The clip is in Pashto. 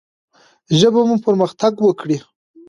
ژبه مو پرمختګ وکړي.